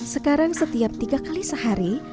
sekarang setiap tiga kali sehari